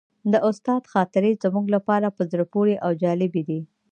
د استاد خاطرې زموږ لپاره په زړه پورې او جالبې دي.